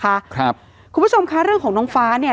คุณผู้ชมค่ะเรื่องของน้องฟ้าเนี่ย